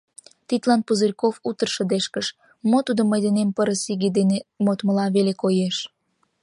Тидлан Пузырьков утыр шыдешкыш: «Мо тудо мый денем пырыс иге дене модмыла веле коеш!»